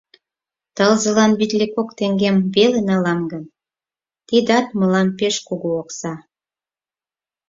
Тылзылан витле кок теҥгем веле налам гын, тидат мылам пеш кугу окса.